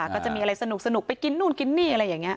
ก็จะมีอะไรสนุกไปกินนู่นกินนี่อะไรอย่างนี้